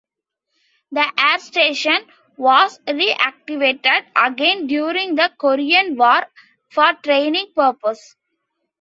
The Air Station was re-activated again during the Korean War for training purposes.